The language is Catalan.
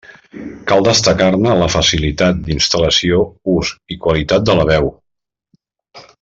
Cal destacar-ne la facilitat d'instal·lació, ús i qualitat de la veu.